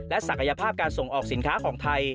ศักยภาพการส่งออกสินค้าของไทย